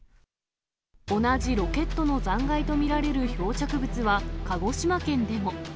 同じロケットの残骸と見られる漂着物は鹿児島県でも。